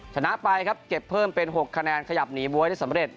ชนะไปครับเก็บเพิ่มเป็น๖คะแนนขยับหนีบ๊วยได้สำเร็จ